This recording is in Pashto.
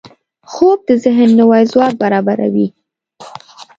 خوب د ذهن نوي ځواک برابروي